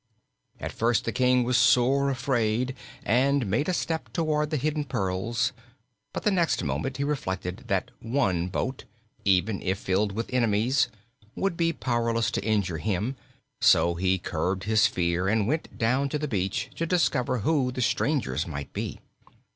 At first the King was sore afraid and made a step toward the hidden pearls, but the next moment he reflected that one boat, even if filled with enemies, would be powerless to injure him, so he curbed his fear and went down to the beach to discover who the strangers might be.